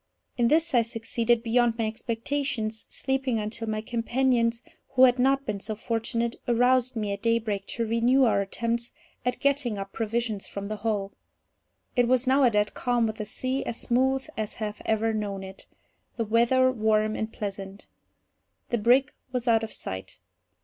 In this I succeeded beyond my expectations, sleeping until my companions, who had not been so fortunate, aroused me at daybreak to renew our attempts at getting up provisions from the hull. It was now a dead calm, with the sea as smooth as I have ever known it,—the weather warm and pleasant. The brig was out of sight.